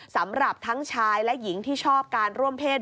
สำหรับทั้งชายและหญิงที่ชอบการร่วมเพศ